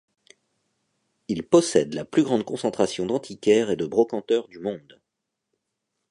Il possède la plus grande concentration d'antiquaires et de brocanteurs du monde.